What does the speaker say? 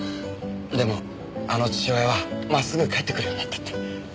でもあの父親はまっすぐ帰ってくるようになったって。